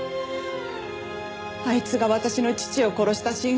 あいつが私の父を殺した真犯人。